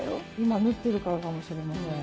今、縫ってるからかもしれません。